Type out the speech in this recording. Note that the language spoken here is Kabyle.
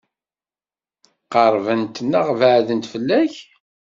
Qeṛbent neɣ beɛdent fell-ak?